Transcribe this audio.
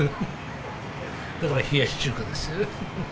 だから冷やし中華ですよ。